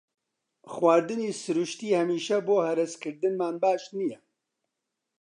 خواردنی سروشتی هەمیشە بۆ هەرسکردنمان باش نییە.